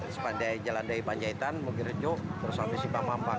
sepandai jalan dari panjaitan mugirejo terus habis sipang pampang